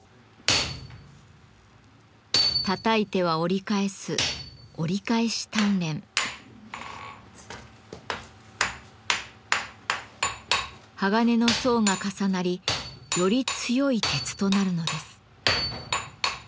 たたいては折り返す鋼の層が重なりより強い鉄となるのです。